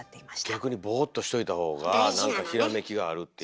逆にボーっとしといた方が何かひらめきがあるっていう。